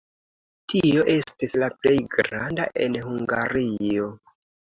Tio estis la plej granda en Hungario.